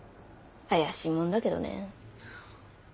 怪しいもんだけどね。